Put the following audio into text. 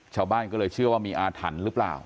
ชาวบ้านก็เลยเชื่อว่ามีอาถรรพ์หรือเปล่า